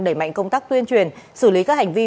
đẩy mạnh công tác tuyên truyền xử lý các hành vi